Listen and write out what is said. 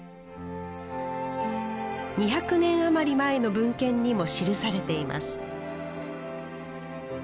２００年余り前の文献にも記されています